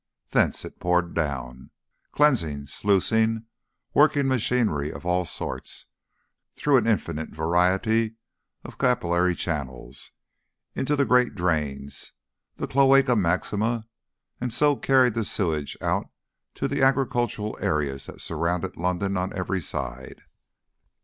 Thence it poured down, cleansing, sluicing, working machinery of all sorts, through an infinite variety of capillary channels into the great drains, the cloacae maximae, and so carried the sewage out to the agricultural areas that surrounded London on every side.